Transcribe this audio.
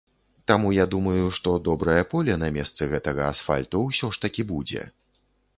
Таму я думаю, што добрае поле на месцы гэтага асфальту ўсё ж такі будзе.